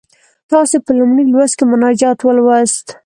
تاسې په لومړي لوست کې مناجات ولوست.